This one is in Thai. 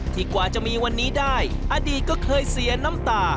กว่าจะมีวันนี้ได้อดีตก็เคยเสียน้ำตา